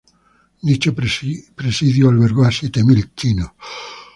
Dicho presidio albergó a siete mil chinos.